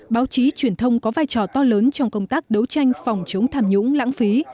báo chí truyền thông có vai trò to lớn trong công tác đấu tranh phòng chống tham nhũng lãng phí